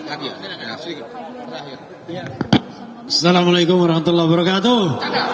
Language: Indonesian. assalamu alaikum warahmatullahi wabarakatuh